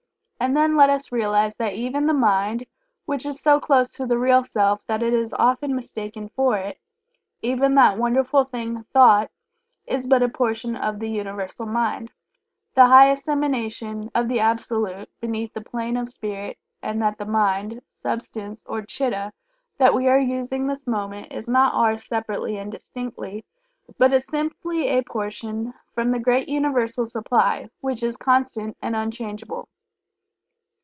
And then let us realize that even the mind, which is so close to the real Self that it is often mistaken for it even that wonderful thing Thought is but a portion of the Universal Mind, the highest emanation of the Absolute beneath the plane of Spirit, and that the Mind substance or Chitta that we are using this moment, is not ours separately and distinctly, but is simply a portion from the great universal supply, which is constant and unchangeable.